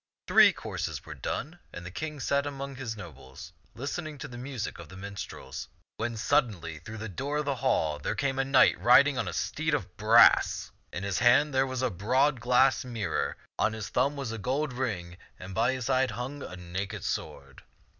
Three courses were done, and the King sat among his nobles listening to the music of the minstrels, when suddenly through the door of the hall there came in a knight riding on a steed of brass. In his 1 66 t^^ ^({Xixxt'B tak hand there was a broad glass mirror, on his thumb was a gold ring, and by his side hung a naked sword.